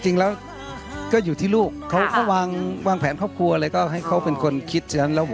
จริงแล้วก็อยู่ที่ลูกเขาก็วางแผนครอบครัวอะไรก็ให้เขาเป็นคนคิด